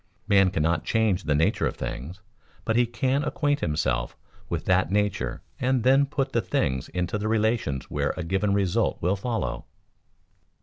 Man cannot change the nature of things; but he can acquaint himself with that nature and then put the things into the relations where a given result will follow.